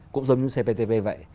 cũng giống như cptp vậy